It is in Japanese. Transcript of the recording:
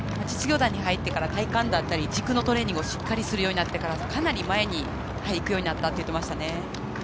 実業団に入ってから体幹だったり軸のトレーニングをしっかりするようになったからかなり前にいくようになったと言っていましたね。